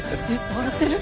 笑ってる？